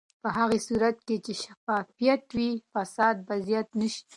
په هغه صورت کې چې شفافیت وي، فساد به زیات نه شي.